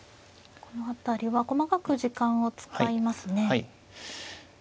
この辺りは細かく時間を使いますね。